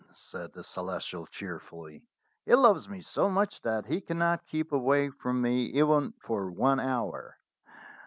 said the Celestial cheerfully. "He loves me so much that he cannot keep away from me even for one hour."